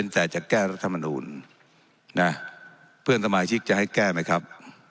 แต่จะแก้รัฐมนูลนะเพื่อนสมาชิกจะให้แก้ไหมครับ